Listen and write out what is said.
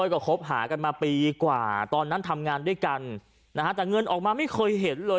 ก็คบหากันมาปีกว่าตอนนั้นทำงานด้วยกันนะฮะแต่เงินออกมาไม่เคยเห็นเลย